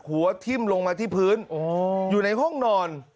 หัวทิ้มลงมาที่พื้นอยู่ในห้องนอน